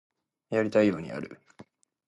やりたいようにやる